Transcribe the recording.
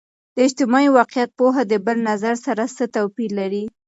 د اجتماعي واقعیت پوهه د بل نظر سره څه توپیر لري؟